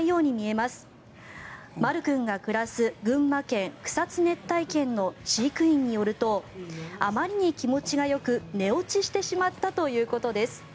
まる君が暮らす群馬県・草津熱帯圏の飼育員によるとあまりに気持ちがよく寝落ちしてしまったということです。